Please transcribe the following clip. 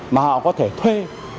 mà họ có thể thuê